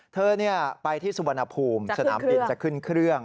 เธอไปที่สุวรรณภูมิสนามบินจะขึ้นเครื่อง